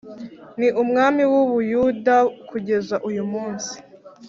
Ni umwami w’u Buyuda kugeza uyu munsi